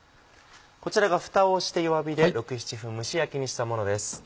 こちらがふたをして弱火で６７分蒸し焼きにしたものです。